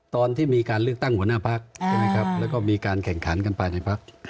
ตอนที่มีการเลือกตั้งหัวหน้าภักษ์แล้วก็มีการแข่งขันกันภายในภักษ์